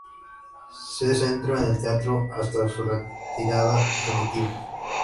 Se centró en el teatro, hasta su retirada definitiva.